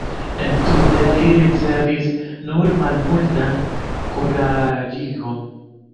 Entute li ricevis nur malmultan kuraĝigon.